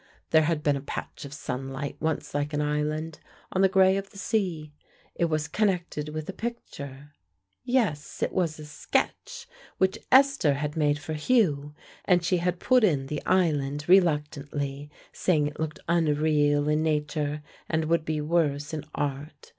There had been a patch of sunlight once like an island, on the gray of the sea ... it was connected with a picture ... yes, it was a sketch which Esther had made for Hugh, and she had put in the island reluctantly, saying it looked unreal in nature and would be worse in art.